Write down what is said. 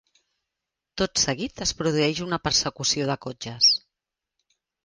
Tot seguit es produeix una persecució de cotxes.